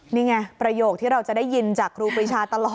นี่ไงประโยคที่เราจะได้ยินจากครูปรีชาตลอด